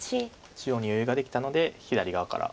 中央に余裕ができたので左側から。